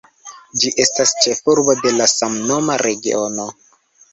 Ĝi estas ĉefurbo de la samnoma regiono.